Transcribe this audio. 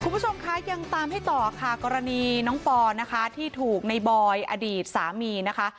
คุณผู้ชมคะยังตามให้ต่อค่ะกรณีน้องปอนะคะที่ถูกในบอยอดีตสามีนะคะ